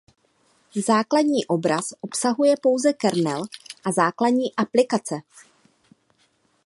Základní obraz obsahuje pouze kernel a základní aplikace.